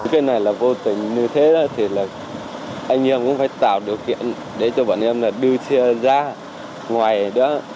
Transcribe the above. tại đây là vô tình như thế thì anh em cũng phải tạo điều khiển để cho bọn em là đưa ra ngoài đó